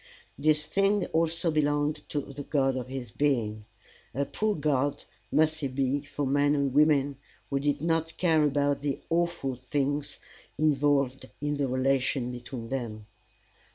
This thing also belonged to the God of his being. A poor God must he be for men or women who did not care about the awful things involved in the relation between them!